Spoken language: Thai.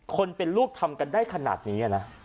คนเป็นลูกทำกันได้ขนาดนี้นะ